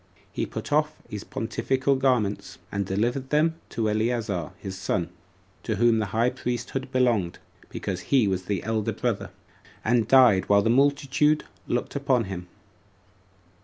He put off his pontifical garments, and delivered them to Eleazar his son, to whom the high priesthood belonged, because he was the elder brother; and died while the multitude looked upon him.